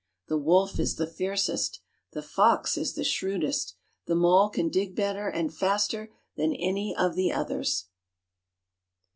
The wolf is the fiercest. The fox is the shrewdest. The mole can dig better and faster than any of the others.